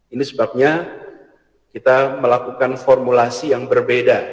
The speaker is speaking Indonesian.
ini sebabnya kita melakukan formulasi yang berbeda